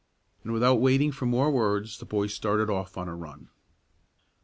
And without waiting for more words, the boy started off on a run.